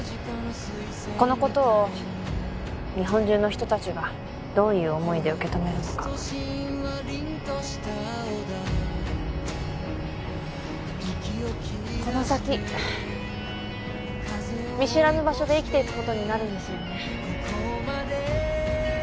このことを日本中の人達がどういう思いで受け止めるのかこの先見知らぬ場所で生きていくことになるんですよね